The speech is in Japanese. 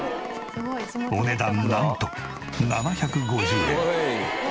お値段なんと７５０円。